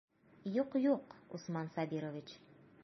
Юҡ, юҡ, Усман Сабирович.